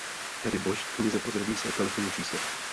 Harry Bosch v knize prozradí své telefonní číslo.